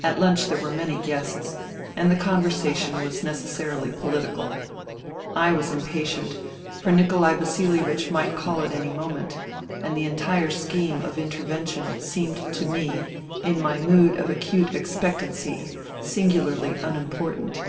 At lunch there were many guests, and the con versation was necessarily political. I was impatient, for Nikolai Vasilievich might call at any moment ; and the entire scheme of " Intervention '* seemed to me, in my mood of acute expectancy, singularly unimportant.